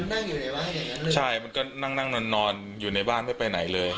นั่งอยู่ในบ้านอย่างนั้นใช่มันก็นั่งนั่งนอนนอนอยู่ในบ้านไม่ไปไหนเลย